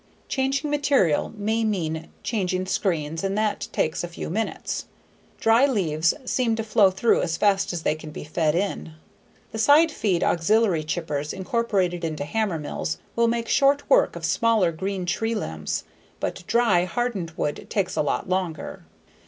Changing materials may mean changing screens and that takes a few minutes. Dry leaves seem to flow through as fast as they can be fed in. The side feed auxiliary chippers incorporated into hammermills will make short work of smaller green tree limbs; but dry, hardened wood takes a lot longer.